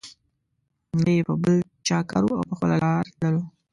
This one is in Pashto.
نه یې په بل چا کار وو او په خپله لار تللو.